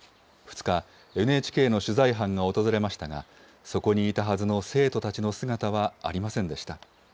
２日、ＮＨＫの取材班が訪れましたが、そこにいたはずの生徒たちの姿はありませんでした。